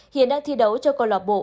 hiện đang thi đấu cho cầu lọc bộ